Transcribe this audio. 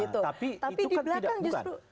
tapi di belakang justru